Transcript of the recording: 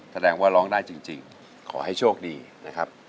แสดงว่าร้องได้จริงขอให้โชคดีนะครับ